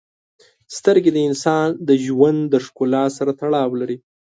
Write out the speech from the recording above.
• سترګې د انسان د ژوند د ښکلا سره تړاو لري.